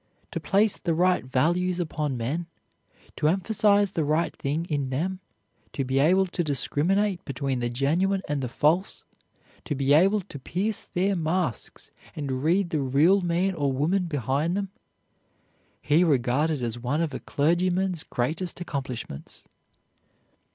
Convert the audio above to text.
To place the right values upon men, to emphasize the right thing in them, to be able to discriminate between the genuine and the false, to be able to pierce their masks and read the real man or woman behind them, he regarded as one of a clergyman's greatest accomplishments.